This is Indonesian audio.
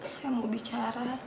saya mau bicara